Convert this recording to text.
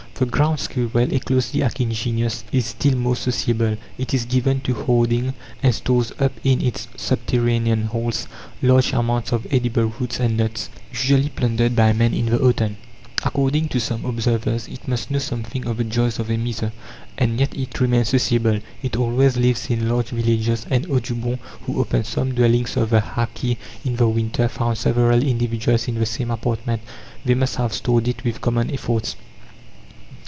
The ground squirrel a closely akin genus is still more sociable. It is given to hoarding, and stores up in its subterranean halls large amounts of edible roots and nuts, usually plundered by man in the autumn. According to some observers, it must know something of the joys of a miser. And yet it remains sociable. It always lives in large villages, and Audubon, who opened some dwellings of the hackee in the winter, found several individuals in the same apartment; they must have stored it with common efforts.